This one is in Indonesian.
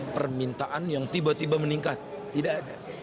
permintaan yang tiba tiba meningkat tidak ada